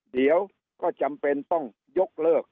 เดี๋ยวก็จำเป็นต้องยกเลิก